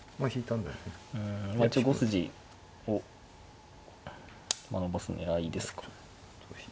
うん一応５筋を伸ばす狙いですか。